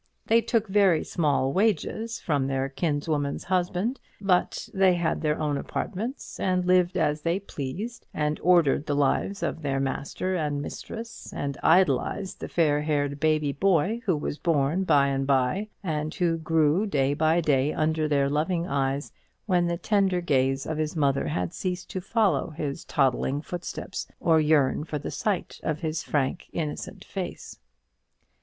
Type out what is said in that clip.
They took very small wages from their kinswoman's husband, but they had their own apartments, and lived as they pleased, and ordered the lives of their master and mistress, and idolized the fair haired baby boy who was born by and by, and who grew day by day under their loving eyes, when the tender gaze of his mother had ceased to follow his toddling footsteps, or yearn for the sight of his frank, innocent face.